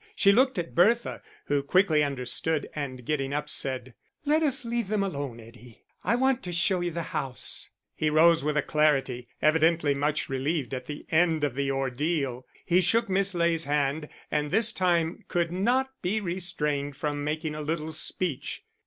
She looked at Bertha, who quickly understood, and getting up, said "Let us leave them alone, Eddie; I want to show you the house." He rose with alacrity, evidently much relieved at the end of the ordeal. He shook Miss Ley's hand, and this time could not be restrained from making a little speech.